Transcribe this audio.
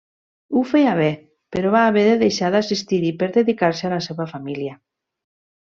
Ho feia bé, però va haver de deixar d'assistir-hi per dedicar-se a la seva família.